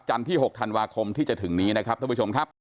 ที่๖ธันวาคมที่จะถึงนี้นะครับท่านผู้ชมครับ